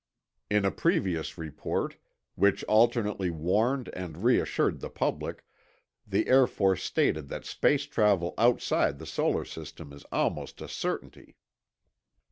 (In a previous report, which alternately warned and reassured the public, the Air Force stated that space travel outside the solar system is almost a certainty.